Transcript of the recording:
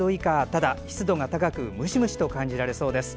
ただ、湿度が高くムシムシと感じられそうです。